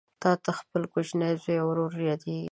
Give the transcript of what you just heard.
تاته خپل کوچنی زوی او ورور یادیږي